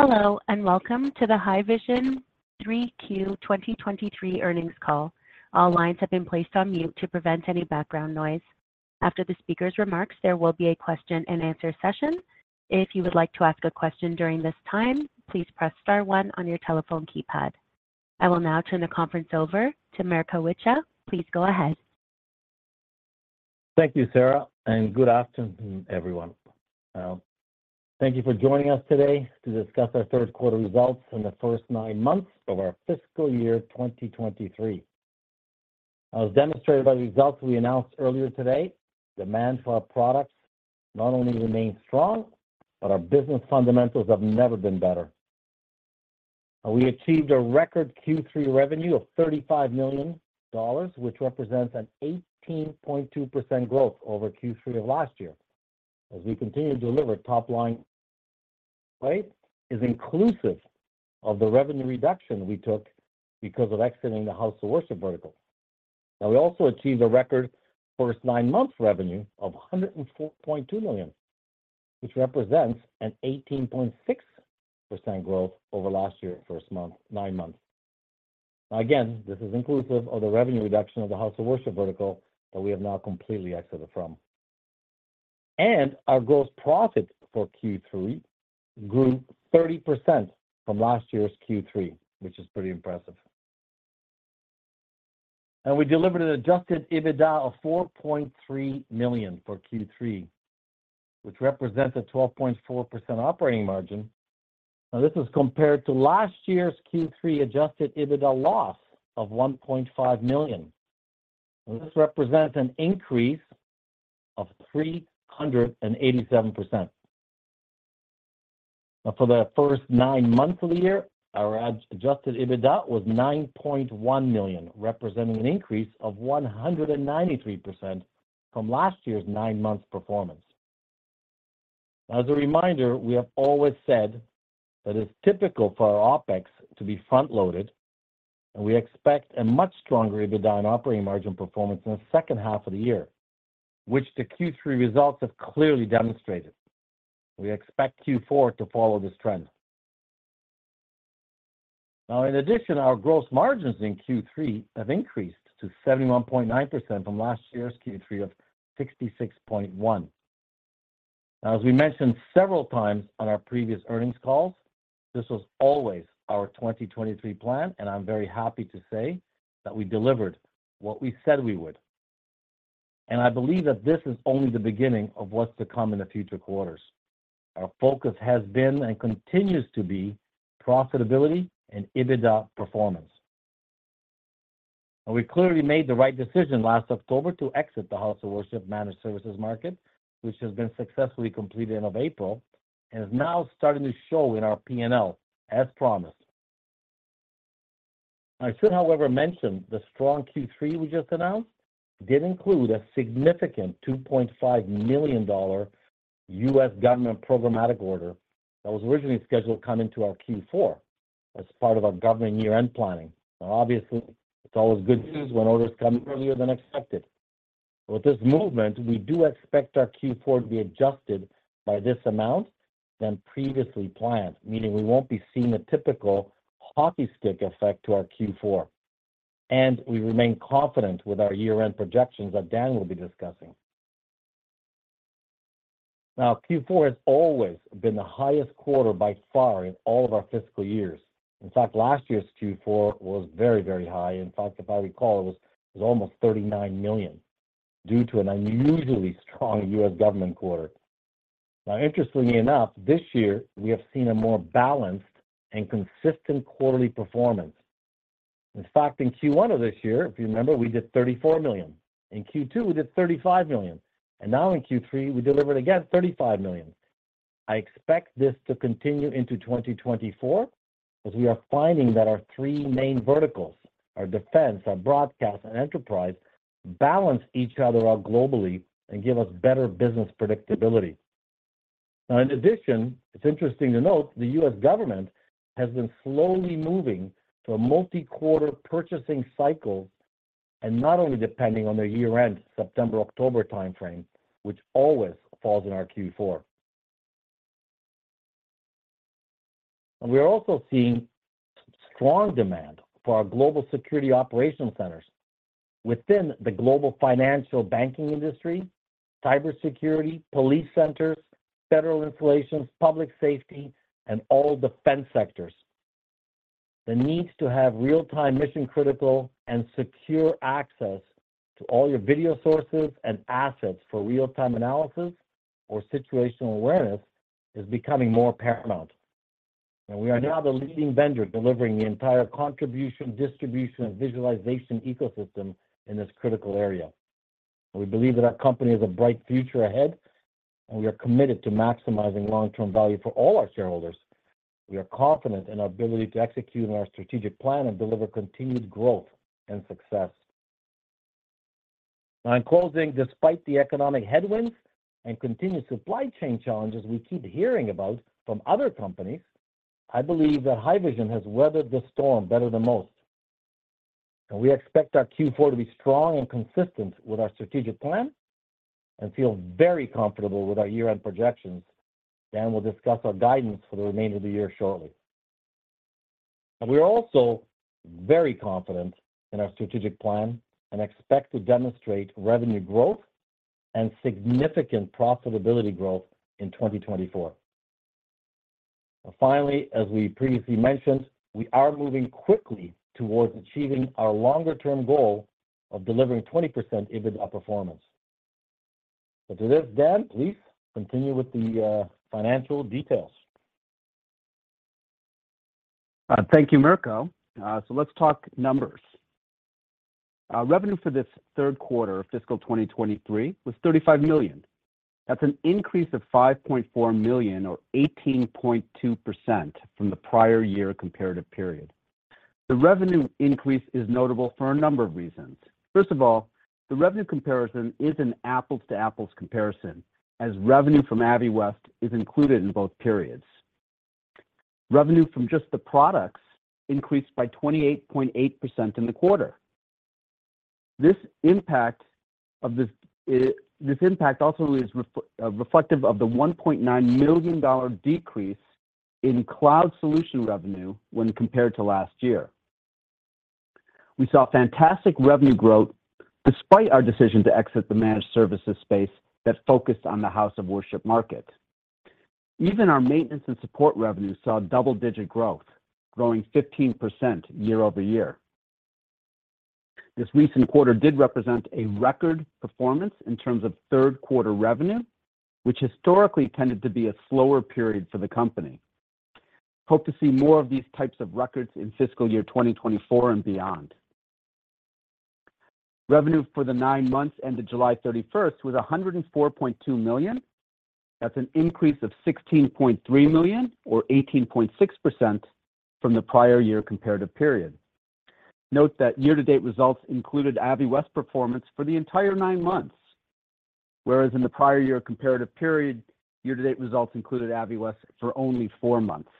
Hello, and welcome to the Haivision Q3 2023 earnings call. All lines have been placed on mute to prevent any background noise. After the speaker's remarks, there will be a question and answer session. If you would like to ask a question during this time, please press star one on your telephone keypad. I will now turn the conference over to Mirko Wicha. Please go ahead. Thank you, Sarah, and good afternoon, everyone. Thank you for joining us today to discuss our Q3 results in the first nine months of our fiscal year 2023. As demonstrated by the results we announced earlier today, demand for our products not only remains strong, but our business fundamentals have never been better. We achieved a record Q3 revenue of $35 million, which represents an 18.2% growth over Q3 of last year. As we continue to deliver top line, right, is inclusive of the revenue reduction we took because of exiting the house of worship vertical. Now, we also achieved a record first nine months revenue of $104.2 million, which represents an 18.6% growth over last year, first month, nine months. Now, again, this is inclusive of the revenue reduction of the house of worship vertical that we have now completely exited from. Our gross profit for Q3 grew 30% from last year's Q3, which is pretty impressive. We delivered an Adjusted EBITDA of $4.3 million for Q3, which represents a 12.4% operating margin. Now, this was compared to last year's Q3 Adjusted EBITDA loss of $1.5 million. This represents an increase of 387%. Now, for the first nine months of the year, our adjusted EBITDA was $9.1 million, representing an increase of 193% from last year's nine-month performance. As a reminder, we have always said that it's typical for our OpEx to be front-loaded, and we expect a much stronger EBITDA and operating margin performance in the second half of the year, which the Q3 results have clearly demonstrated. We expect Q4 to follow this trend. Now, in addition, our gross margins in Q3 have increased to 71.9% from last year's Q3 of 66.1%. Now, as we mentioned several times on our previous earnings calls, this was always our 2023 plan, and I'm very happy to say that we delivered what we said we would. And I believe that this is only the beginning of what's to come in the future quarters. Our focus has been, and continues to be, profitability and EBITDA performance. And we clearly made the right decision last October to exit the house of worship managed services market, which has been successfully completed end of April, and is now starting to show in our P&L, as promised. I should, however, mention the strong Q3 we just announced, did include a significant $2.5 million U.S. government programmatic order that was originally scheduled to come into our Q4 as part of our government year-end planning. Now, obviously, it's always good news when orders come in earlier than expected. With this movement, we do expect our Q4 to be adjusted by this amount than previously planned, meaning we won't be seeing a typical hockey stick effect to our Q4, and we remain confident with our year-end projections that Dan will be discussing. Now, Q4 has always been the highest quarter by far in all of our fiscal years. In fact, last year's Q4 was very, very high. In fact, if I recall, it was almost $39 million due to an unusually strong U.S. government quarter. Now, interestingly enough, this year, we have seen a more balanced and consistent quarterly performance. In fact, in Q1 of this year, if you remember, we did $34 million. In Q2, we did $35 million, and now in Q3, we delivered again $35 million. I expect this to continue into 2024 as we are finding that our three main verticals, our defense, our broadcast, and enterprise, balance each other out globally and give us better business predictability. Now, in addition, it's interesting to note, the U.S. government has been slowly moving to a multi-quarter purchasing cycle and not only depending on their year-end, September-October time frame, which always falls in our Q4. We are also seeing strong demand for our global security operations centers within the global financial banking industry, cybersecurity, police centers, federal installations, public safety, and all defense sectors. The needs to have real-time, mission-critical, and secure access to all your video sources and assets for real-time analysis or situational awareness is becoming more paramount. We are now the leading vendor delivering the entire contribution, distribution, and visualization ecosystem in this critical area. We believe that our company has a bright future ahead, and we are committed to maximizing long-term value for all our shareholders. We are confident in our ability to execute on our strategic plan and deliver continued growth and success. Now, in closing, despite the economic headwinds and continued supply chain challenges we keep hearing about from other companies, I believe that Haivision has weathered the storm better than most. We expect our Q4 to be strong and consistent with our strategic plan, and feel very comfortable with our year-end projections. Dan will discuss our guidance for the remainder of the year shortly. And we're also very confident in our strategic plan and expect to demonstrate revenue growth and significant profitability growth in 2024. Finally, as we previously mentioned, we are moving quickly towards achieving our longer-term goal of delivering 20% EBITDA performance. But to this, Dan, please continue with the financial details. Thank you, Mirko. So let's talk numbers. Revenue for this Q3 of fiscal 2023 was $35 million. That's an increase of $5.4 million or 18.2% from the prior year comparative period. The revenue increase is notable for a number of reasons. First of all, the revenue comparison is an apples-to-apples comparison, as revenue from Aviwest is included in both periods. Revenue from just the products increased by 28.8% in the quarter. This impact also is reflective of the $1 million decrease in cloud solution revenue when compared to last year. We saw fantastic revenue growth despite our decision to exit the managed services space that focused on the house of worship market. Even our maintenance and support revenue saw double-digit growth, growing 15% year-over-year. This recent quarter did represent a record performance in terms of Q3 revenue, which historically tended to be a slower period for the company. Hope to see more of these types of records in fiscal year 2024 and beyond. Revenue for the 9 months ended July 31 was $104.2 million. That's an increase of $16.3 million or 18.6% from the prior year comparative period. Note that year-to-date results included Aviwest performance for the entire 9 months, whereas in the prior year comparative period, year-to-date results included Aviwest for only 4 months.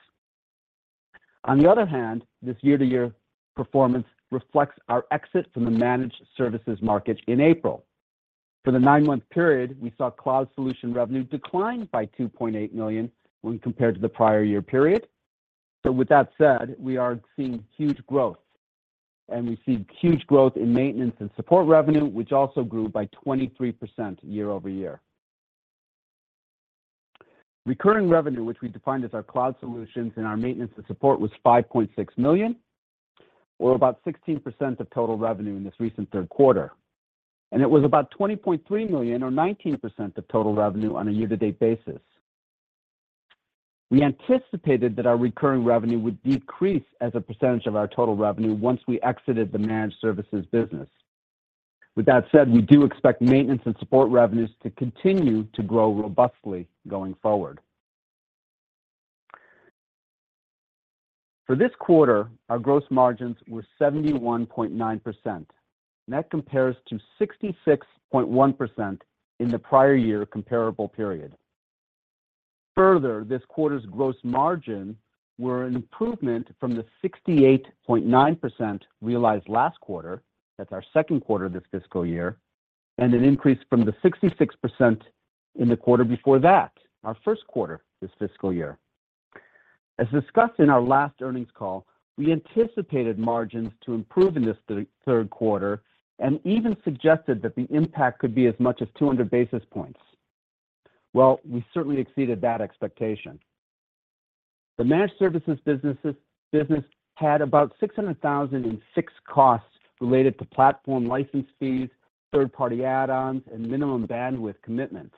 On the other hand, this year-to-year performance reflects our exit from the managed services market in April. For the 9-month period, we saw cloud solution revenue decline by $2.8 million when compared to the prior year period. So with that said, we are seeing huge growth, and we see huge growth in maintenance and support revenue, which also grew by 23% year-over-year. Recurring revenue, which we defined as our cloud solutions and our maintenance and support, was $5.6 million, or about 16% of total revenue in this recent Q3, and it was about $20.3 million or 19% of total revenue on a year-to-date basis. We anticipated that our recurring revenue would decrease as a percentage of our total revenue once we exited the managed services business. With that said, we do expect maintenance and support revenues to continue to grow robustly going forward. For this quarter, our gross margins were 71.9%, and that compares to 66.1% in the prior year comparable period. Further, this quarter's gross margin were an improvement from the 68.9% realized last quarter. That's our Q2 of this fiscal year, and an increase from the 66% in the quarter before that, our Q1 this fiscal year. As discussed in our last earnings call, we anticipated margins to improve in this Q3 and even suggested that the impact could be as much as 200 basis points. Well, we certainly exceeded that expectation. The managed services business had about $600,000 in fixed costs related to platform license fees, third-party add-ons, and minimum bandwidth commitments.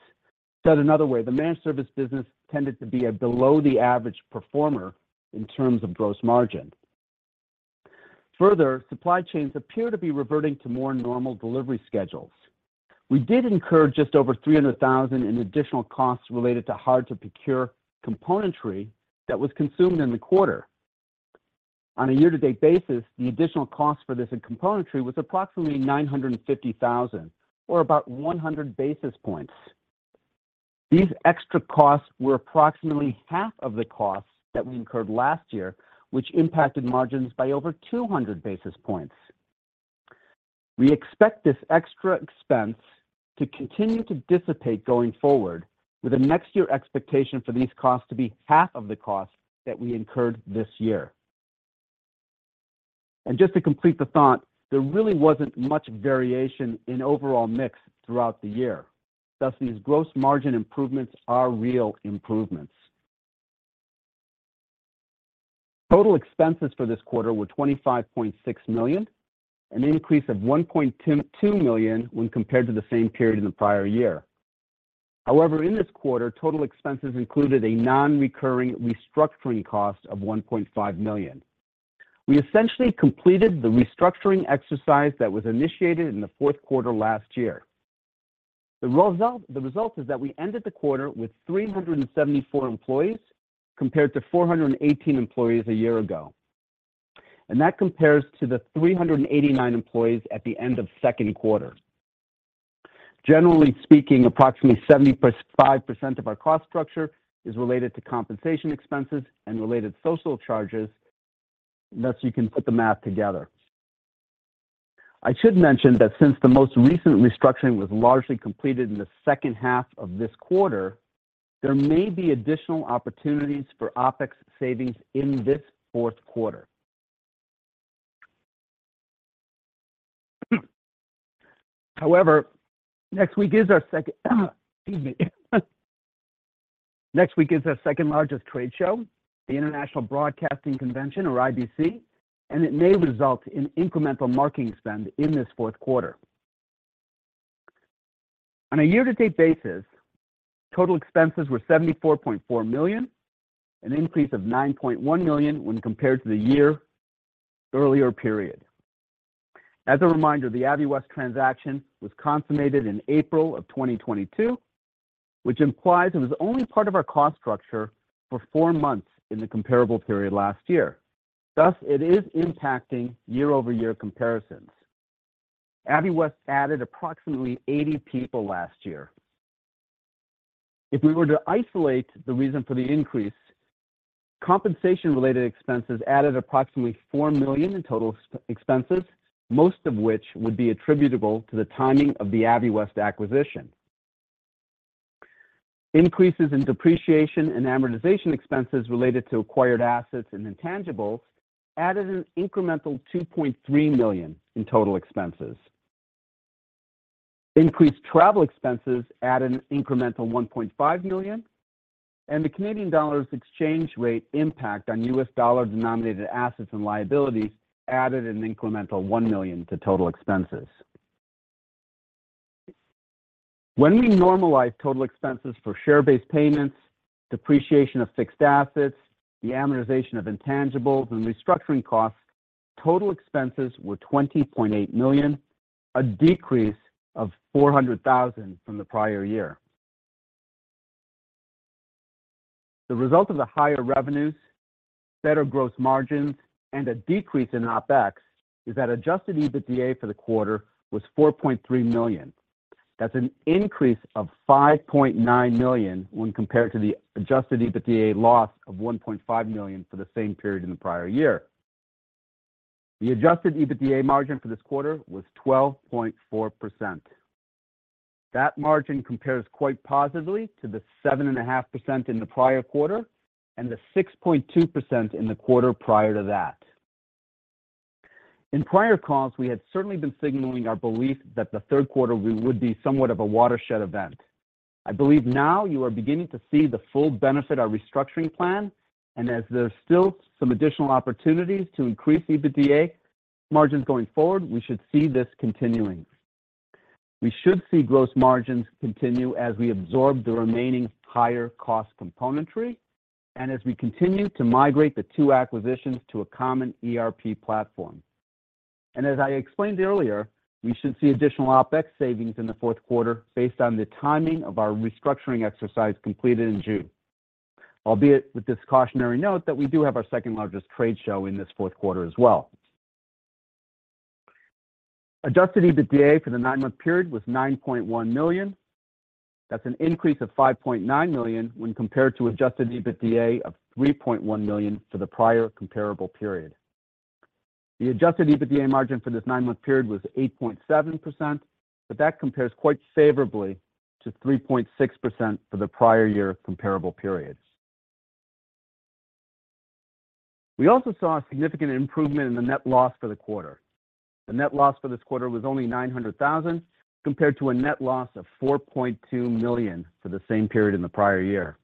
Said another way, the managed service business tended to be a below the average performer in terms of gross margin. Further, supply chains appear to be reverting to more normal delivery schedules. We did incur just over $300,000 in additional costs related to hard-to-procure componentry that was consumed in the quarter. On a year-to-date basis, the additional cost for this in componentry was approximately $950,000, or about 100 basis points. These extra costs were approximately half of the costs that we incurred last year, which impacted margins by over 200 basis points. We expect this extra expense to continue to dissipate going forward with a next year expectation for these costs to be half of the cost that we incurred this year. And just to complete the thought, there really wasn't much variation in overall mix throughout the year, thus, these gross margin improvements are real improvements. Total expenses for this quarter were $25.6 million, an increase of $1.22 million when compared to the same period in the prior year. However, in this quarter, total expenses included a non-recurring restructuring cost of $1.5 million. We essentially completed the restructuring exercise that was initiated in the Q4 last year. The result, the result is that we ended the quarter with 374 employees, compared to 418 employees a year ago, and that compares to the 389 employees at the end of Q2. Generally speaking, approximately 75% of our cost structure is related to compensation expenses and related social charges, thus, you can put the math together. I should mention that since the most recent restructuring was largely completed in the second half of this quarter, there may be additional opportunities for OpEx savings in this Q4. However, next week is our second... Excuse me. Next week is our second-largest trade show, the International Broadcasting Convention, or IBC, and it may result in incremental marketing spend in this Q4. On a year-to-date basis, total expenses were $74.4 million, an increase of $9.1 million when compared to the year earlier period. As a reminder, the Aviwest transaction was consummated in April of 2022, which implies it was only part of our cost structure for four months in the comparable period last year. Thus, it is impacting year-over-year comparisons. Aviwest added approximately 80 people last year. If we were to isolate the reason for the increase, compensation-related expenses added approximately $4 million in total expenses, most of which would be attributable to the timing of the Aviwest acquisition. Increases in depreciation and amortization expenses related to acquired assets and intangibles added an incremental $2.3 million in total expenses. Increased travel expenses add an incremental $1.5 million, and the Canadian dollar's exchange rate impact on U.S. dollar-denominated assets and liabilities added an incremental $1 million to total expenses. When we normalize total expenses for share-based payments, depreciation of fixed assets, the amortization of intangibles, and restructuring costs, total expenses were $20.8 million, a decrease of $400,000 from the prior year. The result of the higher revenues, better gross margins, and a decrease in OpEx is that Adjusted EBITDA for the quarter was $4.3 million. That's an increase of $5.9 million when compared to the adjusted EBITDA loss of $1.5 million for the same period in the prior year. The adjusted EBITDA margin for this quarter was 12.4%. That margin compares quite positively to the 7.5% in the prior quarter and the 6.2% in the quarter prior to that. In prior calls, we had certainly been signaling our belief that the Q3 would be somewhat of a watershed event. I believe now you are beginning to see the full benefit of our restructuring plan, and as there are still some additional opportunities to increase EBITDA margins going forward, we should see this continuing. We should see gross margins continue as we absorb the remaining higher cost componentry and as we continue to migrate the two acquisitions to a common ERP platform. And as I explained earlier, we should see additional OpEx savings in the Q4 based on the timing of our restructuring exercise completed in June, albeit with this cautionary note that we do have our second-largest trade show in this Q4 as well. Adjusted EBITDA for the nine-month period was $9.1 million. That's an increase of $5.9 million when compared to adjusted EBITDA of $3.1 million for the prior comparable period. The adjusted EBITDA margin for this nine-month period was 8.7%, but that compares quite favorably to 3.6% for the prior year comparable periods. We also saw a significant improvement in the net loss for the quarter. The net loss for this quarter was only $900,000, compared to a net loss of $4.2 million for the same period in the prior year.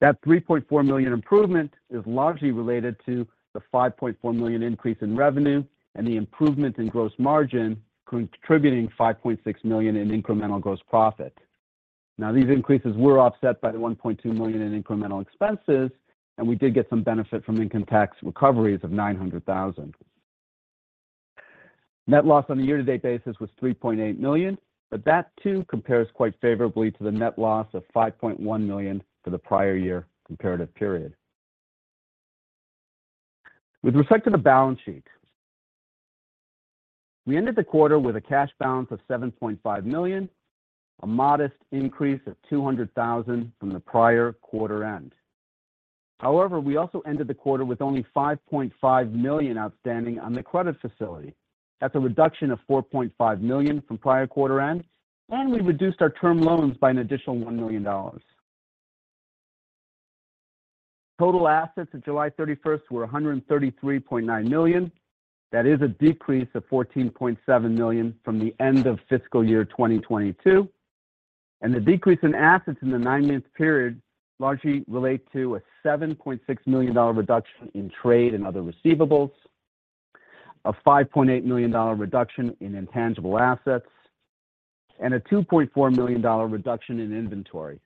That $3.4 million improvement is largely related to the $5.4 million increase in revenue and the improvement in gross margin, contributing $5.6 million in incremental gross profit. Now, these increases were offset by the $1.2 million in incremental expenses, and we did get some benefit from income tax recoveries of $900,000. Net loss on a year-to-date basis was $3.8 million, but that too compares quite favorably to the net loss of $5.1 million for the prior year comparative period. With respect to the balance sheet, we ended the quarter with a cash balance of $7.5 million, a modest increase of $200,000 from the prior quarter end. However, we also ended the quarter with only $5.5 million outstanding on the credit facility. That's a reduction of $4.5 million from prior quarter end, and we reduced our term loans by an additional $1 million. Total assets at July 31 were $133.9 million. That is a decrease of $14.7 million from the end of fiscal year 2022, and the decrease in assets in the nine-month period largely relate to a $7.6 million reduction in trade and other receivables, a $5.8 million reduction in intangible assets, and a $2.4 million reduction in inventory.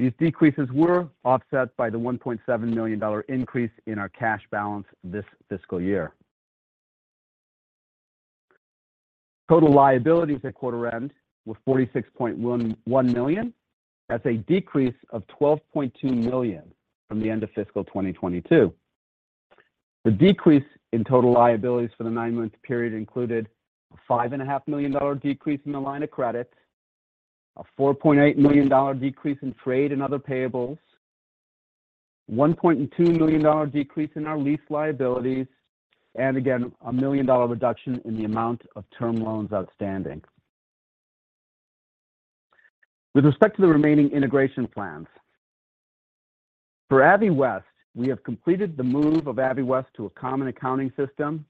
These decreases were offset by the $1.7 million increase in our cash balance this fiscal year. Total liabilities at quarter end were $46.11 million. That's a decrease of $12.2 million from the end of fiscal 2022. The decrease in total liabilities for the nine-month period included a $5.5 million decrease in the line of credit, a $4.8 million decrease in trade and other payables, $1.2 million decrease in our lease liabilities, and again, a $1 million reduction in the amount of term loans outstanding. With respect to the remaining integration plans, for Aviwest, we have completed the move of Aviwest to a common accounting system,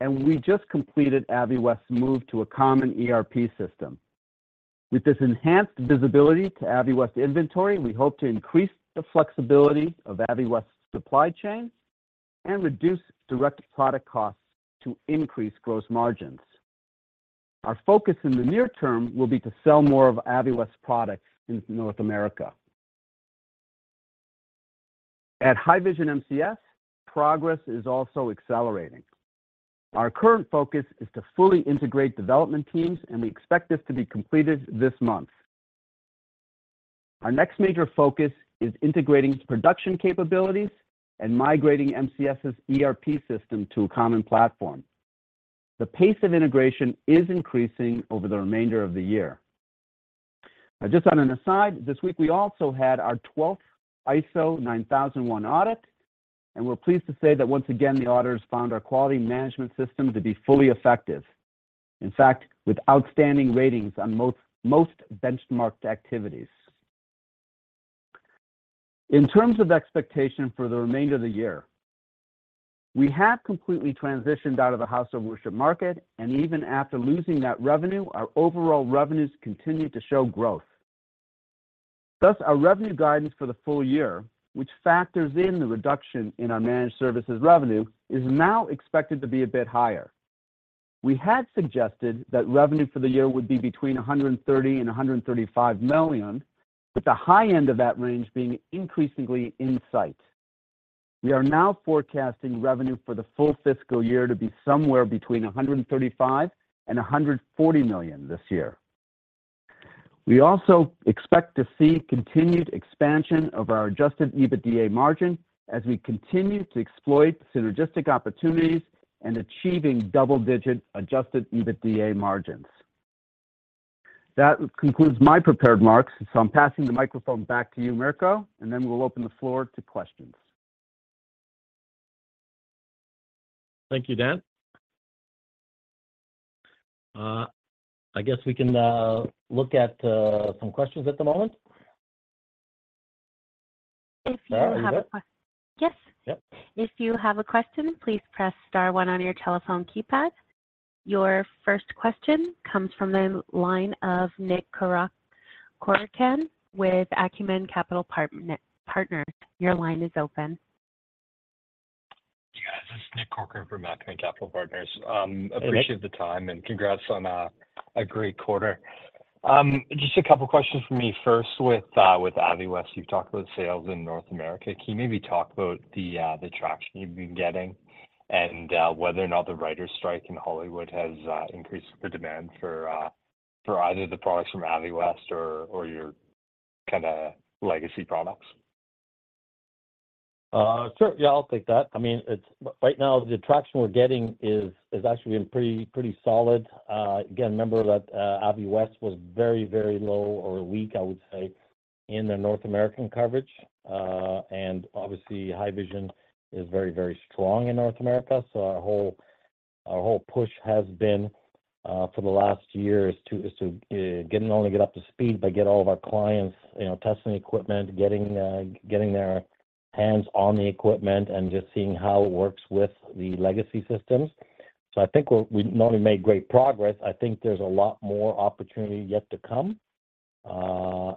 and we just completed Aviwest's move to a common ERP system. With this enhanced visibility to Aviwest inventory, we hope to increase the flexibility of Aviwest's supply chain and reduce direct product costs to increase gross margins. Our focus in the near term will be to sell more of Aviwest's products in North America. At Haivision MCS, progress is also accelerating. Our current focus is to fully integrate development teams, and we expect this to be completed this month. Our next major focus is integrating production capabilities and migrating MCS's ERP system to a common platform. The pace of integration is increasing over the remainder of the year. Just on an aside, this week, we also had our twelfth ISO 9001 audit, and we're pleased to say that once again, the auditors found our quality management system to be fully effective. In fact, with outstanding ratings on most benchmarked activities. In terms of expectation for the remainder of the year, we have completely transitioned out of the house of worship market, and even after losing that revenue, our overall revenues continued to show growth. Thus, our revenue guidance for the full year, which factors in the reduction in our managed services revenue, is now expected to be a bit higher. We had suggested that revenue for the year would be between $130 million and $135 million, with the high end of that range being increasingly in sight. We are now forecasting revenue for the full fiscal year to be somewhere between $135 million and $140 million this year. We also expect to see continued expansion of our adjusted EBITDA margin as we continue to exploit synergistic opportunities and achieving double-digit adjusted EBITDA margins. That concludes my prepared remarks, so I'm passing the microphone back to you, Mirko, and then we'll open the floor to questions. Thank you, Dan. I guess we can look at some questions at the moment. If you have a que- You good? Yes. Yep. If you have a question, please press star one on your telephone keypad. Your first question comes from the line of Nick Corcoran with Acumen Capital Partners. Your line is open. Yes, this is Nick Corcoran from Acumen Capital Partners. Hey, Nick. Appreciate the time, and congrats on a great quarter. Just a couple of questions from me. First, with Aviwest, you've talked about sales in North America. Can you maybe talk about the traction you've been getting, and whether or not the writers strike in Hollywood has increased the demand for either the products from Aviwest or your kinda legacy products? Sure. Yeah, I'll take that. I mean, it's right now, the traction we're getting is actually been pretty solid. Again, remember that, Aviwest was very, very low or weak, I would say, in the North American coverage. And obviously, Haivision is very, very strong in North America, so our whole push has been for the last year to get not only up to speed, but get all of our clients testing the equipment, getting their hands on the equipment, and just seeing how it works with the legacy systems. So I think we've not only made great progress. I think there's a lot more opportunity yet to come.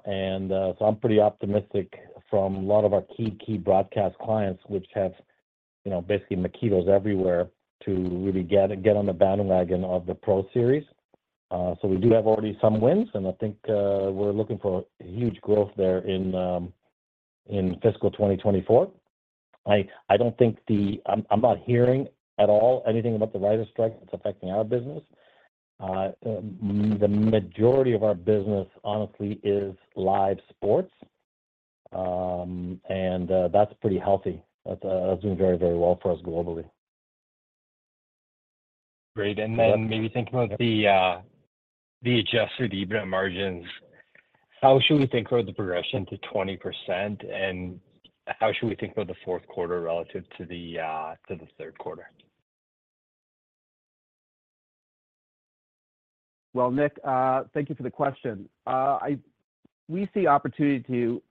And, so I'm pretty optimistic from a lot of our key, key broadcast clients, which have basically Makitos everywhere to really get, get on the bandwagon of the Pro Series. So we do have already some wins, and I think, we're looking for huge growth there in, in fiscal 2024. I don't think I'm not hearing at all anything about the writers strike that's affecting our business. The majority of our business, honestly, is live sports, and, that's pretty healthy. That, that's doing very, very well for us globally. Great. Yeah. Then maybe thinking about the Adjusted EBITDA margins, how should we think about the progression to 20%, and how should we think about the Q4 relative to the Q3? Well, Nick, thank you for the question. We see opportunity to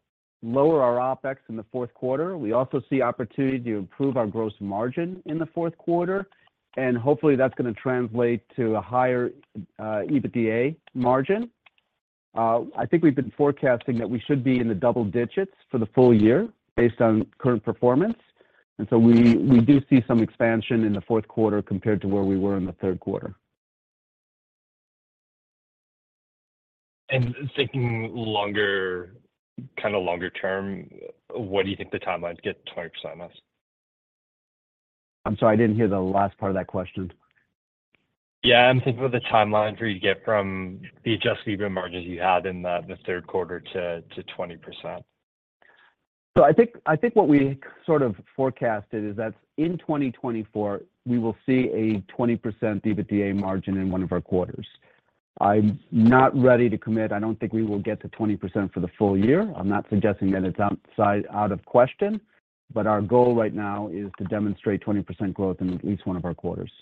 lower our OpEx in the Q4. We also see opportunity to improve our gross margin in the Q4, and hopefully, that's gonna translate to a higher EBITDA margin. I think we've been forecasting that we should be in the double digits for the full year based on current performance, and so we do see some expansion in the Q4 compared to where we were in the Q3. Thinking longer, kinda longer term, what do you think the timeline to get to 20% is? I'm sorry, I didn't hear the last part of that question. ... Yeah, I'm thinking about the timeline for you to get from the Adjusted EBITDA margins you had in the Q3 to 20%. So I think, I think what we sort of forecasted is that in 2024, we will see a 20% EBITDA margin in one of our quarters. I'm not ready to commit. I don't think we will get to 20% for the full year. I'm not suggesting that it's outside, out of question, but our goal right now is to demonstrate 20% growth in at least one of our quarters.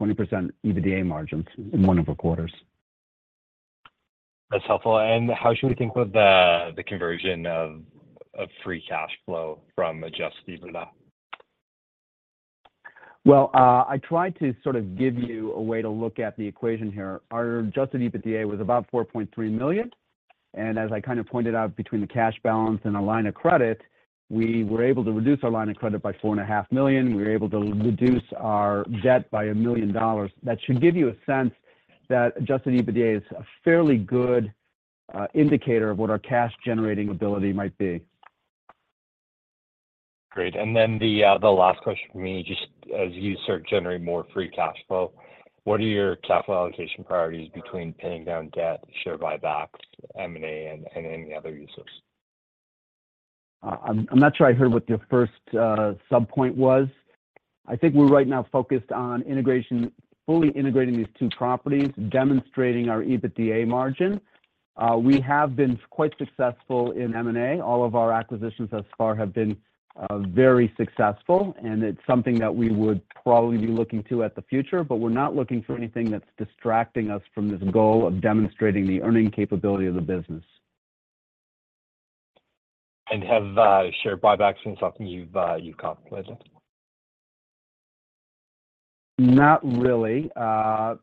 20% EBITDA margins in one of our quarters. That's helpful. How should we think about the conversion of free cash flow from Adjusted EBITDA? Well, I tried to sort of give you a way to look at the equation here. Our adjusted EBITDA was about $4.3 million, and as I kind of pointed out, between the cash balance and our line of credit, we were able to reduce our line of credit by $4.5 million. We were able to reduce our debt by $1 million. That should give you a sense that adjusted EBITDA is a fairly good indicator of what our cash-generating ability might be. Great. And then the last question for me, just as you start generating more free cash flow, what are your capital allocation priorities between paying down debt, share buybacks, M&A, and any other uses? I'm not sure I heard what your first subpoint was. I think we're right now focused on integration... fully integrating these two properties, demonstrating our EBITDA margin. We have been quite successful in M&A. All of our acquisitions thus far have been very successful, and it's something that we would probably be looking to at the future, but we're not looking for anything that's distracting us from this goal of demonstrating the earning capability of the business. And have share buybacks been something you've contemplated? Not really. No,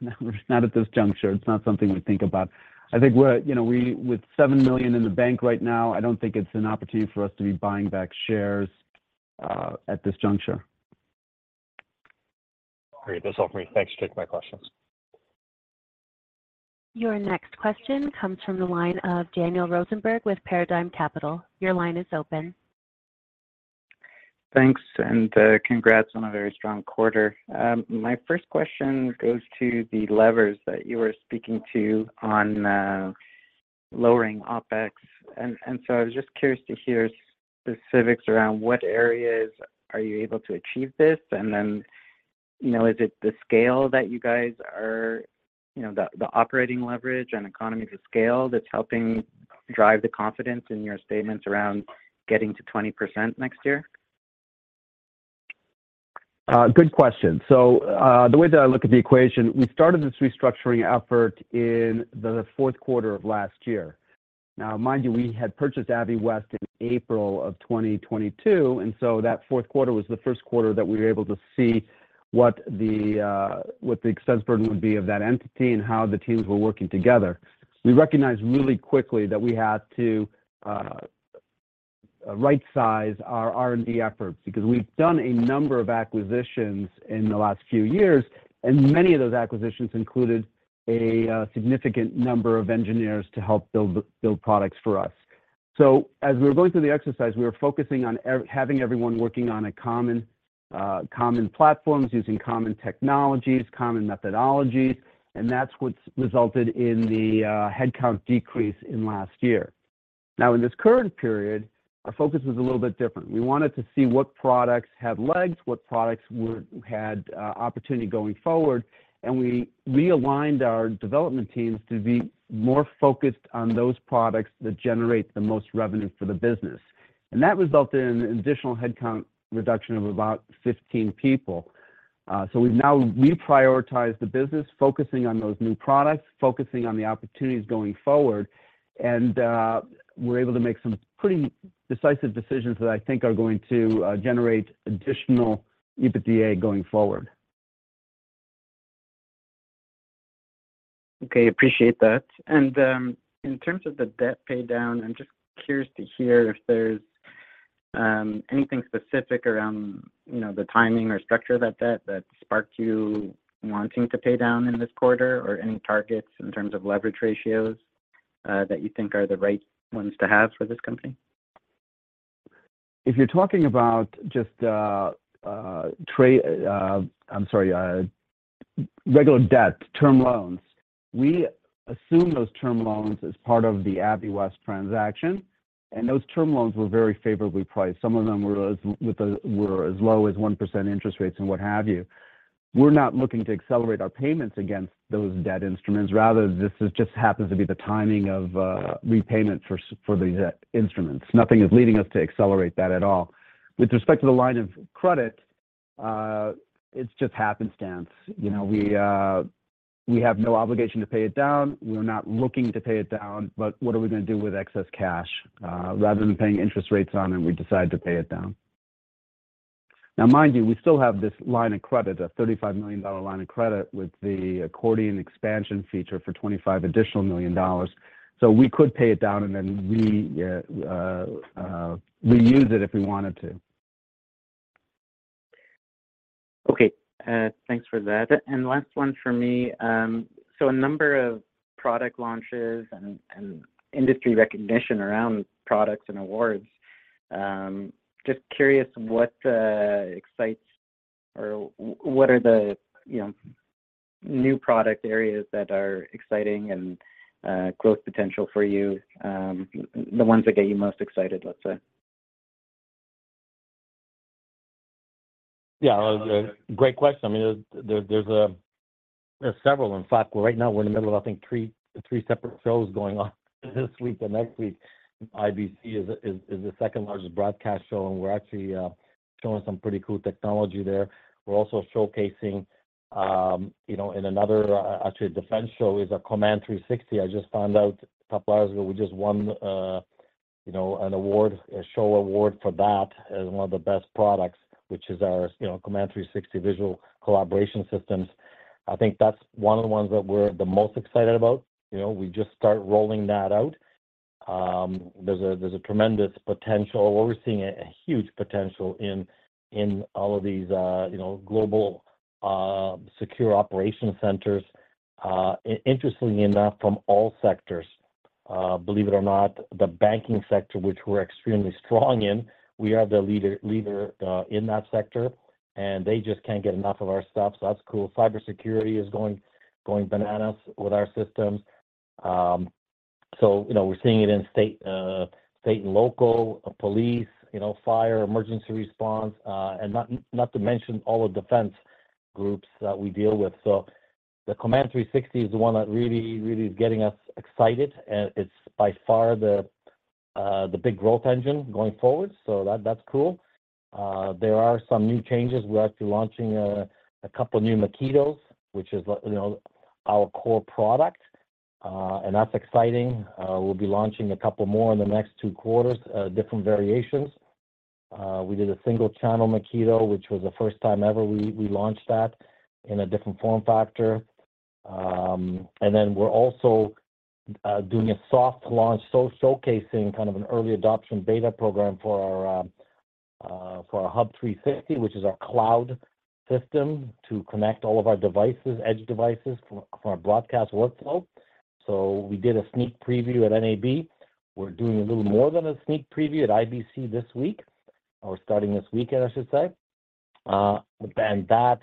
not at this juncture. It's not something we think about. I think we're with 7 million in the bank right now, I don't think it's an opportunity for us to be buying back shares, at this juncture. Great. That's all for me. Thanks for taking my questions. Your next question comes from the line of Daniel Rosenberg with Paradigm Capital. Your line is open. Thanks, and, congrats on a very strong quarter. My first question goes to the levers that you were speaking to on lowering OpEx. So I was just curious to hear specifics around what areas are you able to achieve this, and then is it the scale that you guys are... , the operating leverage and economy to scale that's helping drive the confidence in your statements around getting to 20% next year? Good question. So, the way that I look at the equation, we started this restructuring effort in the Q4 of last year. Now, mind you, we had purchased Aviwest in April of 2022, and so that Q4 was the Q1 that we were able to see what the excess burden would be of that entity and how the teams were working together. We recognized really quickly that we had to rightsize our R&D efforts, because we've done a number of acquisitions in the last few years, and many of those acquisitions included a significant number of engineers to help build products for us. So as we were going through the exercise, we were focusing on having everyone working on a common, common platforms, using common technologies, common methodologies, and that's what's resulted in the, headcount decrease in last year. Now, in this current period, our focus is a little bit different. We wanted to see what products had legs, what products were had, opportunity going forward, and we realigned our development teams to be more focused on those products that generate the most revenue for the business. And that resulted in an additional headcount reduction of about 15 people. So we've now reprioritized the business, focusing on those new products, focusing on the opportunities going forward, and, we're able to make some pretty decisive decisions that I think are going to, generate additional EBITDA going forward. Okay, appreciate that. And in terms of the debt paydown, I'm just curious to hear if there's anything specific around the timing or structure of that debt that sparked you wanting to pay down in this quarter, or any targets in terms of leverage ratios that you think are the right ones to have for this company? If you're talking about just, trade... I'm sorry, regular debt, term loans, we assumed those term loans as part of the Aviwest transaction, and those term loans were very favorably priced. Some of them were as low as 1% interest rates and what have you. We're not looking to accelerate our payments against those debt instruments. Rather, this just happens to be the timing of, repayment for these debt instruments. Nothing is leading us to accelerate that at all. With respect to the line of credit, it's just happenstance., we, we have no obligation to pay it down. We're not looking to pay it down, but what are we gonna do with excess cash? Rather than paying interest rates on them, we decided to pay it down. Now, mind you, we still have this line of credit, a $35 million line of credit with the accordion expansion feature for $25 additional million dollars. So we could pay it down, and then reuse it if we wanted to. Okay, thanks for that. And last one for me, so a number of product launches and industry recognition around products and awards. Just curious what excites or what are the new product areas that are exciting and growth potential for you? The ones that get you most excited, let's say. Yeah, great question. I mean, there, there's a, there's several. In fact, right now we're in the middle of, I think, three separate shows going on this week and next week. IBC is the second largest broadcast show, and we're actually showing some pretty cool technology there. We're also showcasing in another, actually, defense show is a Command 360. I just found out a couple hours ago, we just won an award, a show award for that as one of the best products, which is our Command 360 visual collaboration systems. I think that's one of the ones that we're the most excited about., we just start rolling that out. There's a tremendous potential, or we're seeing a huge potential in all of these global security operations centers, interestingly enough, from all sectors. Believe it or not, the banking sector, which we're extremely strong in, we are the leader in that sector, and they just can't get enough of our stuff, so that's cool. Cybersecurity is going bananas with our systems. So we're seeing it in state and local police fire, emergency response, and not to mention all the defense groups that we deal with. So the Command 360 is the one that really is getting us excited, and it's by far the big growth engine going forward, so that's cool. There are some new changes. We're actually launching a couple new Makitos, which is like our core product, and that's exciting. We'll be launching a couple more in the next Q2, different variations. We did a single channel Makito, which was the first time ever we launched that in a different form factor. And then we're also doing a soft launch, so showcasing kind of an early adoption beta program for our Hub 360, which is our cloud system to connect all of our devices, edge devices for our broadcast workflow. So we did a sneak preview at NAB. We're doing a little more than a sneak preview at IBC this week, or starting this week, I should say. And that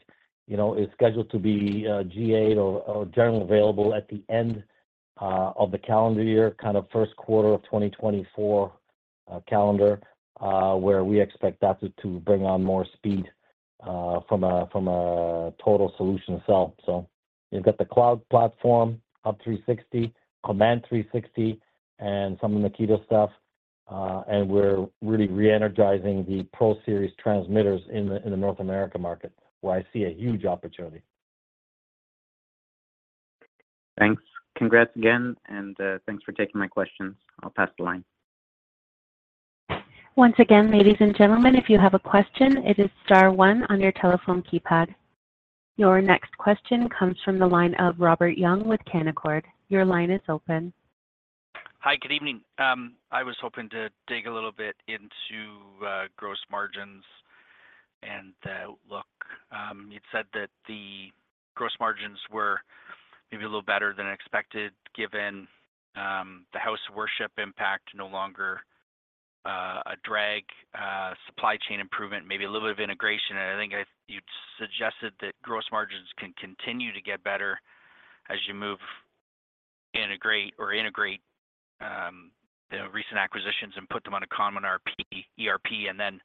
is scheduled to be GA or generally available at the end of the calendar year, kind of Q1 of 2024, calendar, where we expect that to bring on more speed from a total solution itself. So you've got the cloud platform, Hub 360, Command 360, and some of the Makito stuff, and we're really re-energizing the Pro Series transmitters in the North America market, where I see a huge opportunity. Thanks. Congrats again, and thanks for taking my questions. I'll pass the line. Once again, ladies and gentlemen, if you have a question, it is star one on your telephone keypad. Your next question comes from the line of Robert Young with Canaccord. Your line is open. Hi, good evening. I was hoping to dig a little bit into gross margins and the outlook. You'd said that the gross margins were maybe a little better than expected, given the house of worship impact no longer a drag, supply chain improvement, maybe a little bit of integration. And I think I... You suggested that gross margins can continue to get better as you move, integrate the recent acquisitions and put them on a common ERP, and then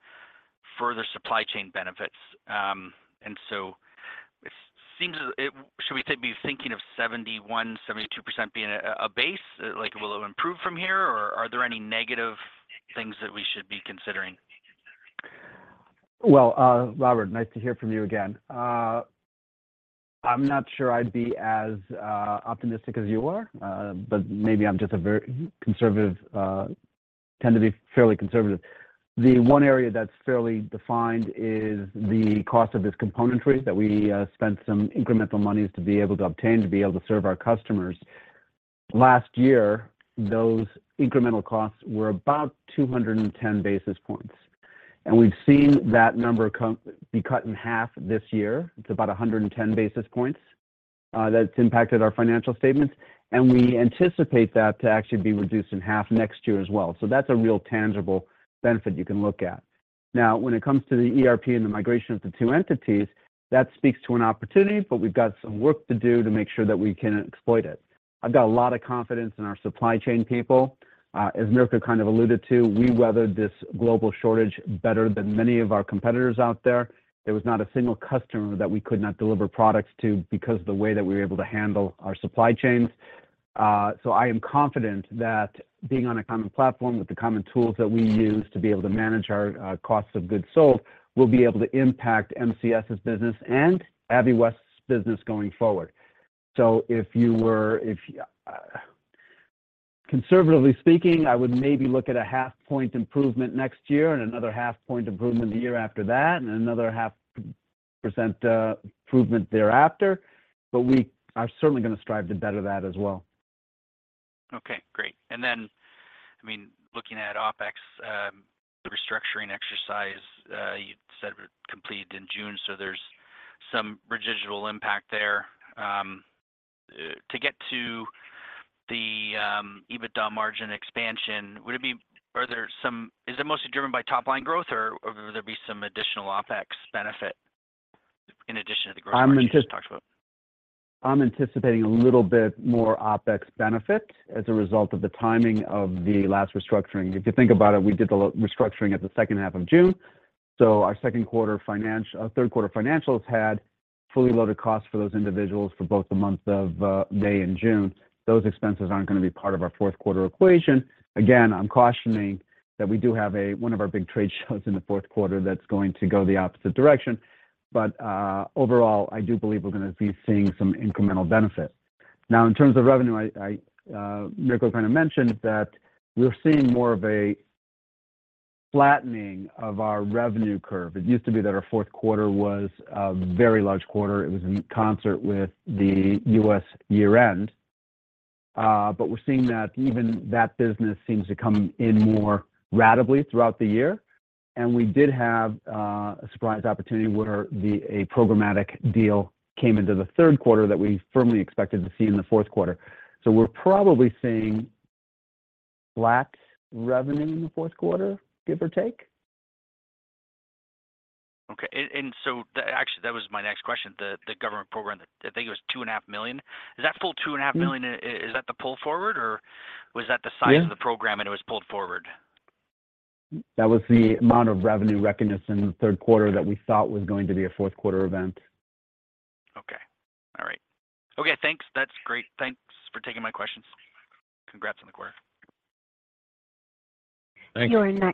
further supply chain benefits. And so it seems as... Should we be thinking of 71%-72% being a base? Like, will it improve from here, or are there any negative things that we should be considering? Well, Robert, nice to hear from you again. I'm not sure I'd be as optimistic as you are, but maybe I'm just a very conservative, tend to be fairly conservative. The one area that's fairly defined is the cost of this componentry that we spent some incremental monies to be able to obtain, to be able to serve our customers. Last year, those incremental costs were about 210 basis points, and we've seen that number come- be cut in half this year. It's about 110 basis points, that's impacted our financial statements, and we anticipate that to actually be reduced in half next year as well. So that's a real tangible benefit you can look at. Now, when it comes to the ERP and the migration of the two entities, that speaks to an opportunity, but we've got some work to do to make sure that we can exploit it. I've got a lot of confidence in our supply chain people. As Mirko kind of alluded to, we weathered this global shortage better than many of our competitors out there. There was not a single customer that we could not deliver products to because of the way that we were able to handle our supply chains. So I am confident that being on a common platform with the common tools that we use to be able to manage our, costs of goods sold, we'll be able to impact MCS's business and Aviwest's business going forward. So if you were, if, Conservatively speaking, I would maybe look at a 0.5-point improvement next year and another 0.5-point improvement the year after that, and another 0.5% improvement thereafter, but we are certainly gonna strive to better that as well. ... Okay, great. And then, I mean, looking at OpEx, the restructuring exercise, you said was completed in June, so there's some residual impact there. To get to the EBITDA margin expansion, would it be- are there some-- Is it mostly driven by top line growth, or, would there be some additional OpEx benefit in addition to the growth you just talked about? I'm anticipating a little bit more OpEx benefit as a result of the timing of the last restructuring. If you think about it, we did the last restructuring at the second half of June, so our Q3 financials had fully loaded costs for those individuals for both the month of May and June. Those expenses aren't gonna be part of our Q4 equation. Again, I'm cautioning that we do have one of our big trade shows in the Q4 that's going to go the opposite direction, but overall, I do believe we're gonna be seeing some incremental benefit. Now, in terms of revenue, Mirko kind of mentioned that we're seeing more of a flattening of our revenue curve. It used to be that our Q4 was a very large quarter. It was in concert with the U.S. year-end, but we're seeing that even that business seems to come in more ratably throughout the year. And we did have a surprise opportunity where a programmatic deal came into the Q3 that we firmly expected to see in the Q4. So we're probably seeing flat revenue in the Q4, give or take. Okay. Actually, that was my next question, the government program, I think it was $2.5 million. Is that full $2.5 million, is that the pull forward, or was that the size- Yeah... of the program, and it was pulled forward? That was the amount of revenue recognized in the Q3 that we thought was going to be a Q4 event. Okay. All right. Okay, thanks. That's great. Thanks for taking my questions. Congrats on the quarter. Thank you.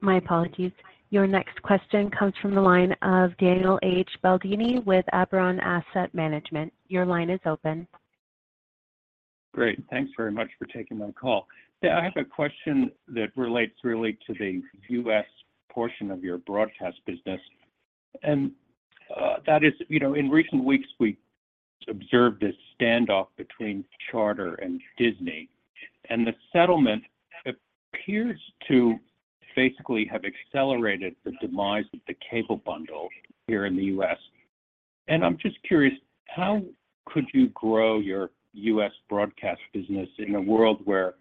My apologies. Your next question comes from the line of Daniel H. Baldini with Oberon Asset Management. Your line is open. Great. Thanks very much for taking my call. Yeah, I have a question that relates really to the U.S. portion of your broadcast business, and, that is in recent weeks, we observed a standoff between Charter and Disney, and the settlement appears to basically have accelerated the demise of the cable bundle here in the U.S. And I'm just curious, how could you grow your U.S. broadcast business in a world where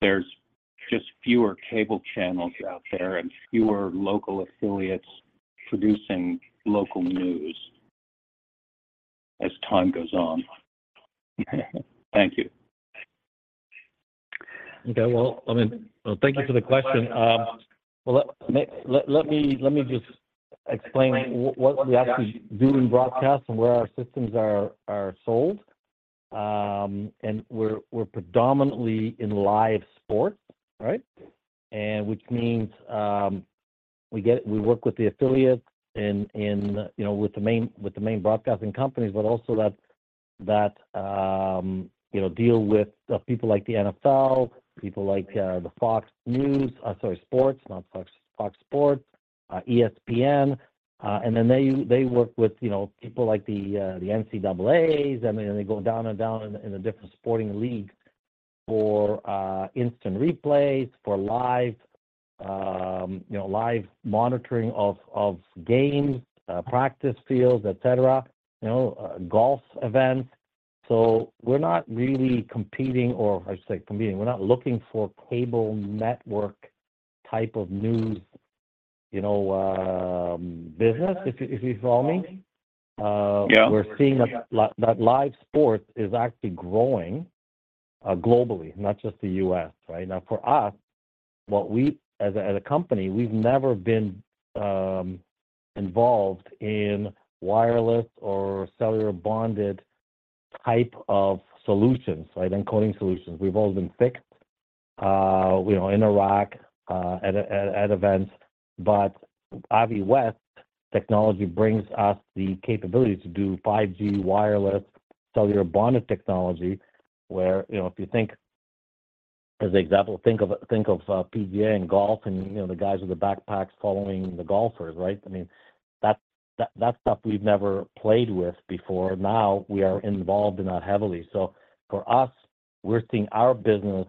there's just fewer cable channels out there and fewer local affiliates producing local news as time goes on? Thank you. Okay, well, I mean, well, thank you for the question. Well, let me just explain what we actually do in broadcast and where our systems are sold. And we're predominantly in live sports, right? And which means, we work with the affiliates and with the main broadcasting companies, but also deal with the people like the NFL, people like the Fox News, sorry, Sports, not Fox, Fox Sports, ESPN. And then they work with people like the NCAAs, and then they go down in the different sporting leagues for instant replays, for live live monitoring of games, practice fields, et cetera golf events. So we're not really competing, or I should say, competing, we're not looking for cable network type of news business, if you, if you follow me. Yeah. We're seeing that live sports is actually growing globally, not just the U.S., right? Now, for us, as a company, we've never been involved in wireless or cellular bonded type of solutions, right, encoding solutions. We've all been fixed in a rack at events. But Aviwest technology brings us the capability to do 5G wireless cellular bonded technology, where if you think, as an example, think of PGA and golf and the guys with the backpacks following the golfers, right? I mean, that's stuff we've never played with before. Now, we are involved in that heavily. So for us, we're seeing our business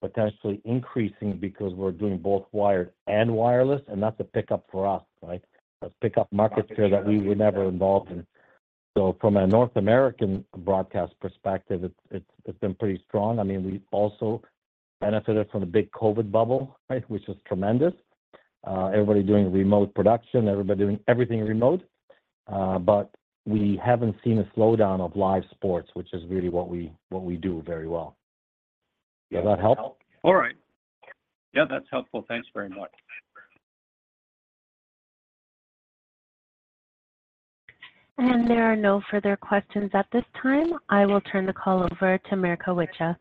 potentially increasing because we're doing both wired and wireless, and that's a pickup for us, right? A pickup market share that we were never involved in. So from a North American broadcast perspective, it's been pretty strong. I mean, we've also benefited from the big COVID bubble, right, which was tremendous. Everybody doing remote production, everybody doing everything remote, but we haven't seen a slowdown of live sports, which is really what we do very well. Does that help? All right. Yeah, that's helpful. Thanks very much. There are no further questions at this time. I will turn the call over to Mirko Wicha.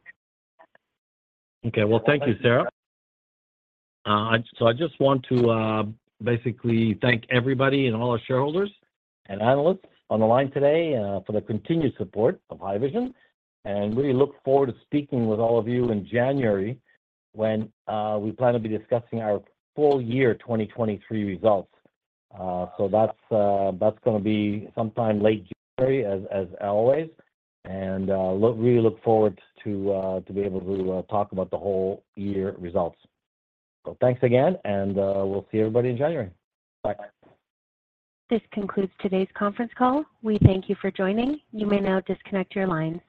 Okay. Well, thank you, Sarah. So I just want to basically thank everybody and all our shareholders and analysts on the line today for the continued support of Haivision, and really look forward to speaking with all of you in January, when we plan to be discussing our full year 2023 results. So that's gonna be sometime late January, as always, and we look forward to be able to talk about the whole year results. So thanks again, and we'll see everybody in January. Bye. This concludes today's conference call. We thank you for joining. You may now disconnect your lines.